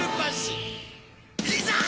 いざ！